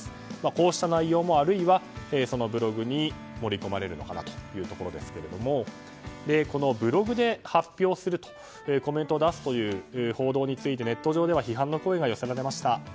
こうした内容もあるいはそのブログに盛り込まれるのかなというところですがブログで発表するとコメントを出すという報道について、ネット上では批判の声が寄せられました。